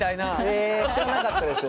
へ知らなかったです。